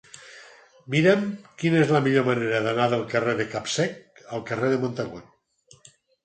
Mira'm quina és la millor manera d'anar del carrer de Capsec al carrer de Montagut.